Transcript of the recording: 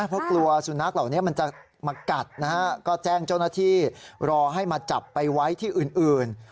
เพราะกลัวสุนัขเหล่านี้มันจะมากัดนะฮะก็แจ้งเจ้าหน้าที่รอให้มาจับไปไว้ที่อื่น